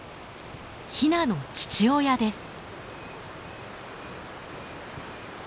ヒナの父親です。